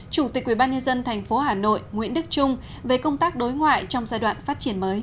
chủ tịch ubnd tp hà nội nguyễn đức trung về công tác đối ngoại trong giai đoạn phát triển mới